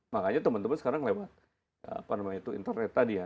makanya teman teman sekarang lewat internet tadi ya